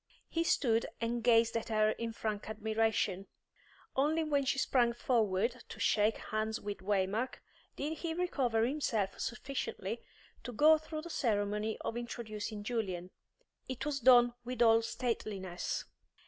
He stood and gazed at her in frank admiration; only when she sprang forward to shake hands with Waymark did he recover himself sufficiently to go through the ceremony of introducing Julian. It was done with all stateliness.